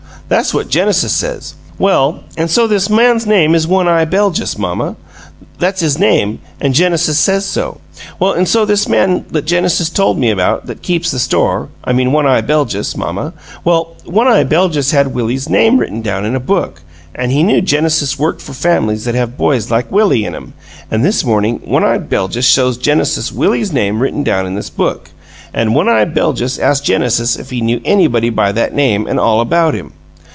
That's what Genesis says. Well, an' so this man's name is One eye Beljus, mamma. That's his name, an' Genesis says so. Well, an' so this man that Genesis told me about, that keeps the store I mean One eye Beljus, mamma well, One eye Beljus had Willie's name written down in a book, an' he knew Genesis worked for fam'lies that have boys like Willie in 'em, an' this morning One eye Beljus showed Genesis Willie's name written down in this book, an' One eye Beljus asked Genesis if he knew anybody by that name an' all about him.